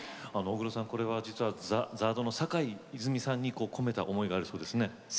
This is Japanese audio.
実は、これはＺＡＲＤの坂井泉水さんに込めた思いがあるそうですね。